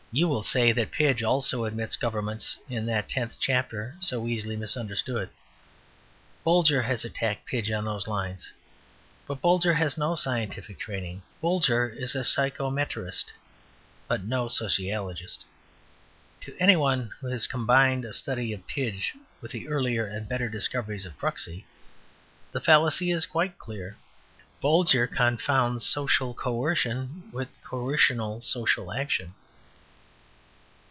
"You will say that Pidge also admits government in that tenth chapter so easily misunderstood. Bolger has attacked Pidge on those lines. But Bolger has no scientific training. Bolger is a psychometrist, but no sociologist. To any one who has combined a study of Pidge with the earlier and better discoveries of Kruxy, the fallacy is quite clear. Bolger confounds social coercion with coercional social action."